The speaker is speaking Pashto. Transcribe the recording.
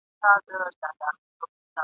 چي په تا یې رنګول زاړه بوټونه ..